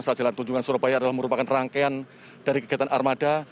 saat jalan tunjungan surabaya adalah merupakan rangkaian dari kegiatan armada